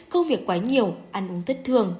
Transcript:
công việc quá nhiều ăn uống thất thường